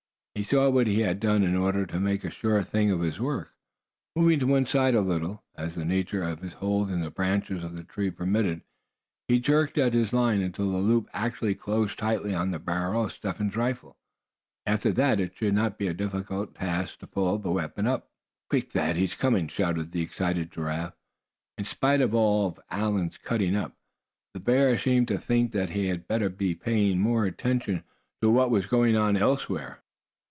He saw what he had to do in order to make a sure thing of his work. Moving to one side a little, as the nature of his hold in the branches of the tree permitted, he jerked at his line until the loop actually closed tightly on the barrel of Step Hen's rifle. After that it should not be a difficult task to pull the weapon up. "Quick! Thad, he's coming!" shouted the excited Giraffe. In spite of all Allan's cutting up the bear seemed to think that he had better be paying more attention to what was going on elsewhere.